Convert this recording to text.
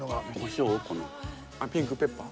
あっピンクペッパー？